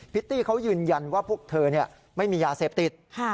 ตี้เขายืนยันว่าพวกเธอไม่มียาเสพติด